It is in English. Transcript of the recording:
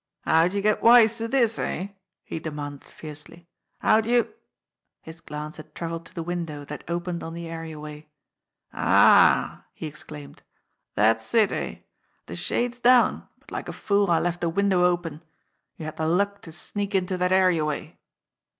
"How'd you get wise to this, eh?" he demanded fiercely. "How'd you " His glance had travelled to the window that opened on the area way. "Ah !" he exclaimed. "That's it, eh? The shade's down, but like a fool I left the window open. You had the luck to sneak into that areaway."